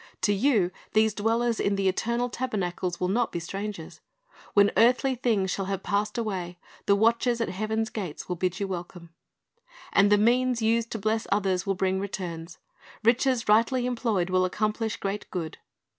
To you these dwellers in the eternal tabernacles will not be strangers. When earthly things shall have passed away, the watchers at heaven's gates will bid you welcome. And the means used to bless others will bring returns. Riches rightly employed will accomplish great good.